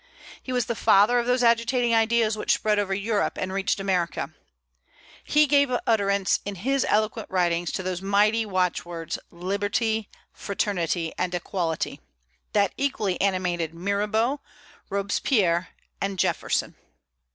He was the father of those agitating ideas which spread over Europe and reached America. He gave utterance in his eloquent writings to those mighty watch words, "Liberty, Fraternity, and Equality," that equally animated Mirabeau, Robespierre, and Jefferson.